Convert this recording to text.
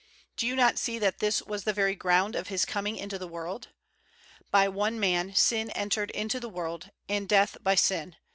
Do you not see that this was the very ground of His coming into the world? "By one man sin entered into the world, and death by sin.